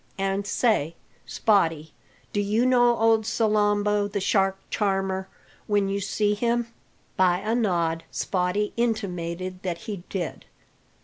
And say, Spottie, do you know old Salambo, the shark charmer, when you see him?" By a nod Spottie intimated that he did.